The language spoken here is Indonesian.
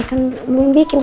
kan mau bikin sama